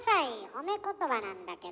褒め言葉なんだけど。